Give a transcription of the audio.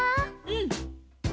うん。